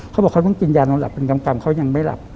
เขาบอกเขาต้องกินยานอนหลับเป็นกำเขายังไม่หลับ